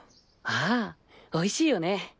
ああおいしいよね。